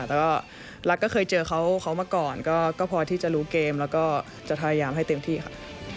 แล้วก็รัฐก็เคยเจอเขามาก่อนก็พอที่จะรู้เกมแล้วก็จะพยายามให้เต็มที่ค่ะ